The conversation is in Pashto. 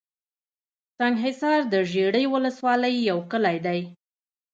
سنګحصار دژړۍ ولسوالۍ يٶ کلى دئ